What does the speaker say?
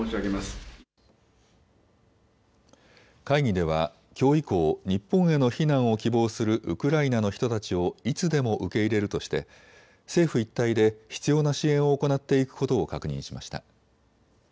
会議ではきょう以降、日本への避難を希望するウクライナの人たちをいつでも受け入れるとして政府一体で必要な支援を行っていくことを確認しました。